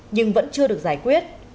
nhưng vẫn chưa được giải quyết